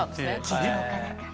起業家だから。